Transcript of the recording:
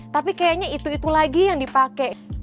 tapi kayaknya itu itu lagi yang dipakai